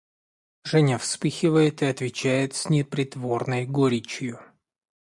Женя вспыхивает и отвечает с непритворной горечью